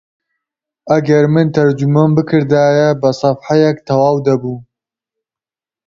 ئەگەر من تەرجەمەم بکردایە بە سەفحەیەک تەواو دەبوو